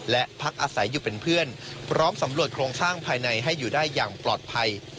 และพักอาศัยอยู่เป็นเพื่อนพร้อมสำรวจโครงสร้างภายในให้อยู่ได้อย่างปลอดภัย